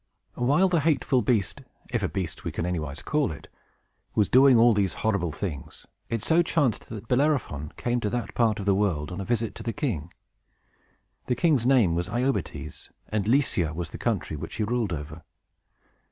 While the hateful beast (if a beast we can anywise call it) was doing all these horrible things, it so chanced that Bellerophon came to that part of the world, on a visit to the king. The king's name was Iobates, and Lycia was the country which he ruled over.